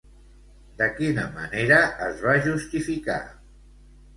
De quina manera es va justificar?